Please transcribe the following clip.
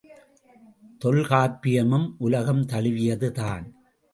தொல்காப்பியமும் உலகம் தழுவியது தான்.